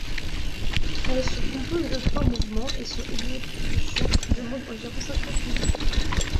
Elle se compose de trois mouvements et son exécution demande environ cinquante minutes.